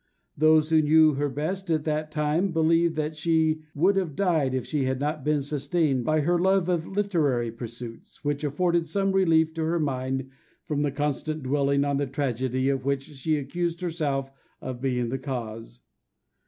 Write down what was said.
Those who knew her best at that time believe that she would have died if she had not been sustained by her love of literary pursuits, which afforded some relief to her mind from the constant dwelling on the tragedy of which she accused herself of being the cause.